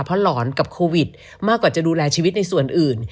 เพราะหลอนกับโควิดมากกว่าจะดูแลชีวิตในส่วนอื่น